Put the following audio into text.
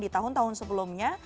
di tahun tahun sebelumnya